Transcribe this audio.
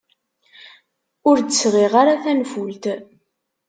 Ur d-sɣiɣ ara tanfult.